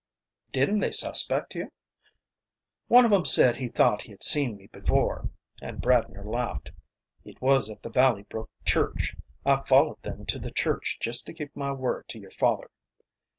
"Didn't they suspect you?" "One of 'em said he thought he had seen me before." And Bradner laughed. "It was at the Valley Brook Church. I followed them to the church just to keep my word to your father."